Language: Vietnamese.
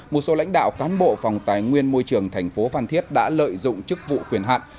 một số lãnh đạo cán bộ phòng tài nguyên môi trường thành phố phan thiết đã lợi dụng chức vụ quyền hạn